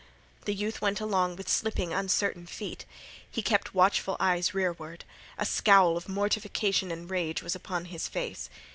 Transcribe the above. The youth went along with slipping uncertain feet. He kept watchful eyes rearward. A scowl of mortification and rage was upon his face.